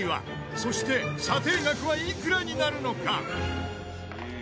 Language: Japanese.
そして査定額はいくらになるのか？